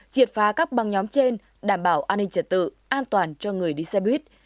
triệt phá các băng nhóm trên đảm bảo an ninh trật tự an toàn cho người đi xe buýt